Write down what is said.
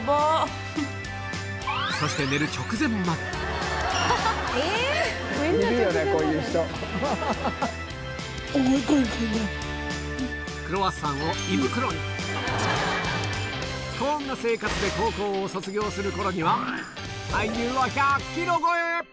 そして寝る直前までクロワッサンをこんな生活で高校を卒業する頃には体重は１００ｋｇ超え！